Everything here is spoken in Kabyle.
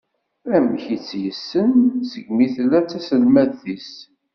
Amek i tt-yessen segmi tella d taselmadt-is.